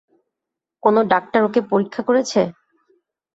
কোনো ডাক্তার ওকে পরীক্ষা করেছে?